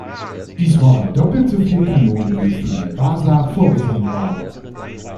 Dies waren doppelt so viel Kanonen, wie für die "Vasa" vorgesehen waren.